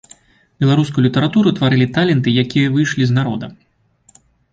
Беларускую літаратуру тварылі таленты, якія выйшлі з народа.